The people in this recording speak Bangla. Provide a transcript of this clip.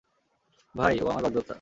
ভাই, ও আমার বাগদত্তা।